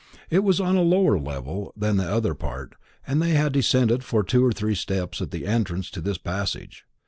It was on a lower level than the other part, and they had descended two or three steps at the entrance to this passage.